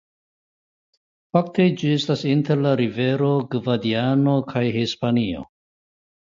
Fakte ĝi estas inter la rivero Gvadiano kaj Hispanio.